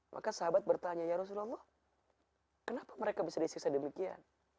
maka sahabat bertanya ya rasulullah kenapa mereka bisa disiksa demikian